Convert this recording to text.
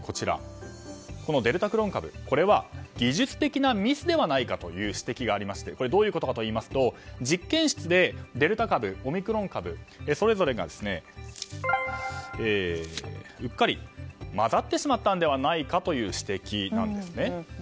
このデルタクロン株、これは技術的なミスではないかという指摘がありましてどういうことかといいますと実験室でデルタ株、オミクロン株それぞれがうっかり混ざってしまったのではないかという指摘なんです。